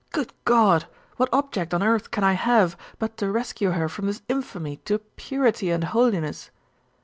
'Good God! what object on earth can I have, but to rescue her from this infamy to purity and holiness?